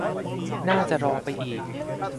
น่าจะรอไปอีก